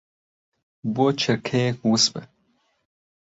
بۆ چرکەیەک وس بە.